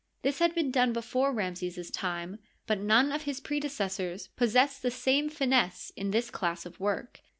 .This had been done before Ramses's time, but none of his predecessors possessed the same finesse in this class of work.